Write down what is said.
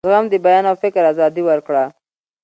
زغم د بیان او فکر آزادي ورکړه.